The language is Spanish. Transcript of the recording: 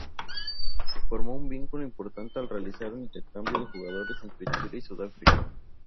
Formó un vínculo importante al realizar intercambio de jugadores entre Chile y Sudáfrica.